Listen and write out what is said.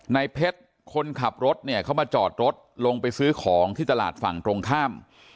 ในเพชรคนขับรถเนี่ยเขามาจอดรถลงไปซื้อของที่ตลาดฝั่งตรงข้าม